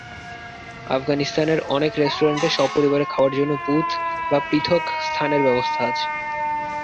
আফগানিস্তানের অনেক রেস্টুরেন্টে সপরিবারে খাওয়ার জন্য বুথ বা পৃথক স্থানের ব্যবস্থা আছে।